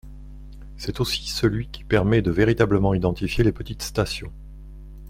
C’est aussi celui qui permet de véritablement identifier les petites stations.